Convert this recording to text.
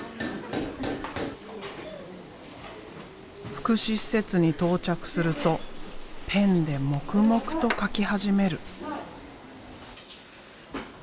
福祉施設に到着するとペンで黙々と書き始める。